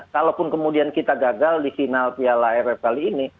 kalaupun kemudian kita gagal di final piala aff kali ini